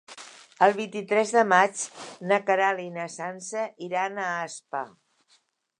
El vint-i-tres de maig na Queralt i na Sança iran a Aspa.